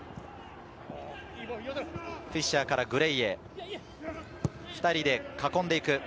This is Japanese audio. フィッシャーからグレイへ、２人で囲んで行く。